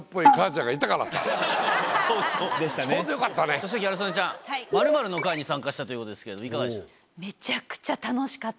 そしてギャル曽根ちゃん「○○の会」に参加したということですけどいかがでした？